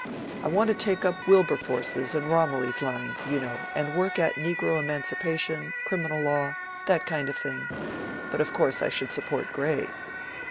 I want to take up Wilberforce's and Romilly's line, you know, and work at Negro Emancipation, Criminal Law—that kind of thing. But of course I should support Grey."